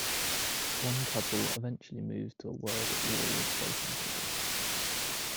One couple eventually moves to a world at war with space invaders.